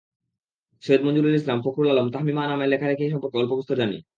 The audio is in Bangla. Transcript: সৈয়দ মনজুরুল ইসলাম, ফকরুল আলম, তাহমিমা আনামের লেখালেখি সম্পর্কে অল্প-বিস্তর জানি।